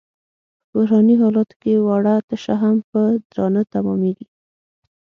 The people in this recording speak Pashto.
په بحراني حالاتو کې وړه تشه هم په درانه تمامېږي.